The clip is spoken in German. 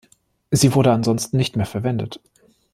Sie wurde ansonsten nicht mehr verwendet.